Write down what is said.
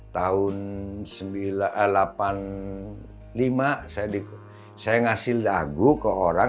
tahun seribu sembilan ratus delapan puluh lima saya ngasih dagu ke orang